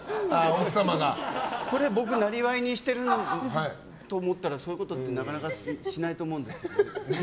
これを僕がなりわいにしてると思ったらそういうことってなかなかしないと思うんですけど。